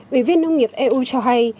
ủy viên nông nghiệp eu cho hay